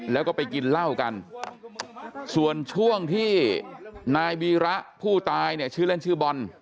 แล้วก็ไปกินเหล้ากันส่วนช่วงที่นายวีระผู้ตายเนี่ยชื่อเล่นชื่อบอล